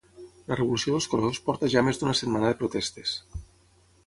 La Revolució dels Colors porta ja més d'una setmana de protestes